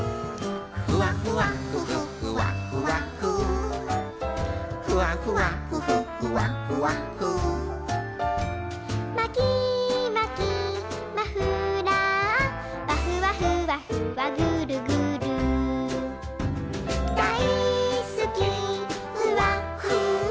「ふわふわふふふわふわふふわふわふふふわふわふ」「まきまきマフラーわふわふわふわぐるぐる」「だいすきふわふわふわふわふふふわふわふ」